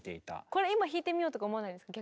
これ今弾いてみようとか思わないですか？